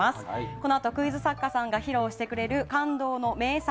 このあと、クイズ作家さんが披露してくださる感動の名作